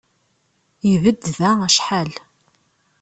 Ibedd da acḥal.